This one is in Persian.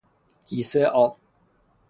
کیسه آب